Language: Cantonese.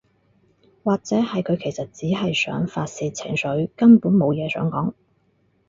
或者係佢其實只係想發洩情緒，根本無嘢想講